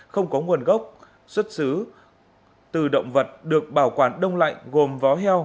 không có nguồn gốc xuất xứ từ động vật được bảo quản đông lạnh gồm vó heo